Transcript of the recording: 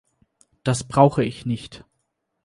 Das brauche ich nicht.